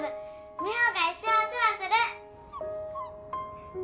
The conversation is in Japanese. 美帆が一生お世話する